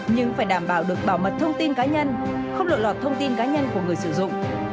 nhưng phải đảm bảo được bảo mật thông tin cá nhân không lộ lọt thông tin cá nhân của người sử dụng